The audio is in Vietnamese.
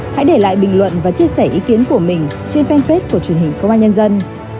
hãy để lại bình luận và chia sẻ ý kiến của mình trên fanpage của truyền hình công an nhân dân